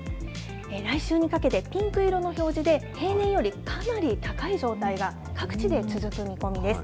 来週にかけて、ピンク色の表示で、平年よりかなり高い状態が各地で続く見込みです。